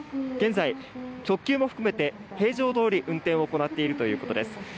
現在、特急も含めて平常どおり運転を行っているということです。